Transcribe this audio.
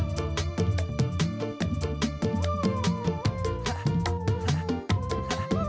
kamu kagetan gila